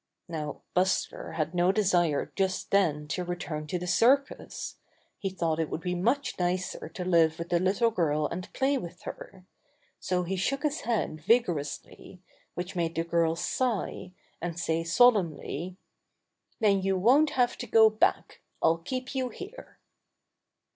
Now Buster had no desire just then to re turn to the circus. He thought it would be much nicer to live with the little girl and play with her. So he shook his head vigor ously, which made the girl sigh, and say sol emnly: "Then you won't have to go back! I'll keep you here!"